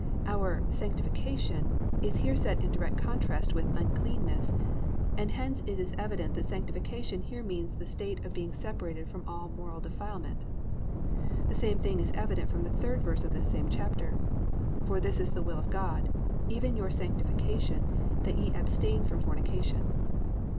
"+ Our "Sanctification" is here set in direct contrast with "uncleanness," and hence it is evident that sanctification here means the state of being separated from all moral defilement. The same thing is evident from the 3rd verse of this same chapter, +"For this is the will of God, even your sanctification, that ye abstain from fornication."